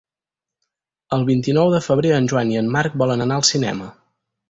El vint-i-nou de febrer en Joan i en Marc volen anar al cinema.